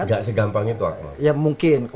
gak segampang itu arno